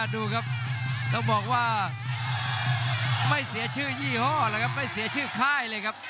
ดูครับต้องบอกว่าไม่เสียชื่อยี่ห้อแล้วครับไม่เสียชื่อค่ายเลยครับ